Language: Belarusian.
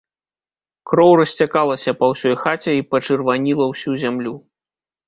Кроў расцякалася па ўсёй хаце і пачырваніла ўсю зямлю.